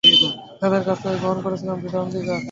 তাদের কাছ থেকে গ্রহণ করেছিলাম দৃঢ় অঙ্গীকার।